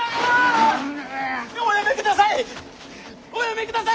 おやめください！